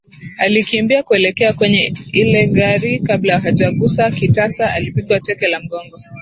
Alikimbia kuelekea kwenye il gari kabla hajagusa kitasa alipigwa teke la mgongo